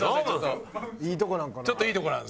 いいとこなんかな？